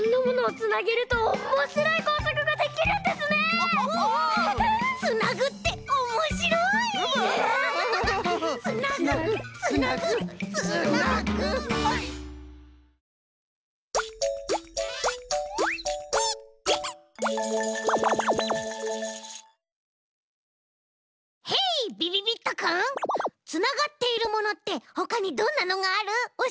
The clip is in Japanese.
つながっているものってほかにどんなのがある？